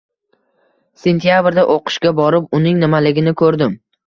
Sentyabrda o’qishga borib, uning nimaligini ko’rdim.